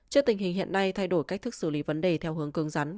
trước tình hình hiện nay thay đổi cách thức xử lý vấn đề theo hướng cương rắn